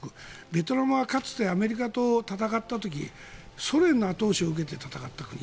ベトナムはかつてアメリカと戦った時ソ連の後押しを受けて戦った国。